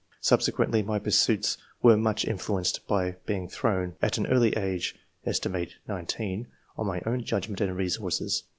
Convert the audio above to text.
Subsequently, my pursuits were much influenced by being thrown, at an early age, set. 19, on my own judgment and resources.